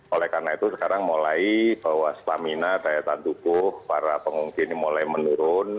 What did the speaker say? oleh karena itu sekarang mulai bahwa stamina daya tahan tubuh para pengungsi ini mulai menurun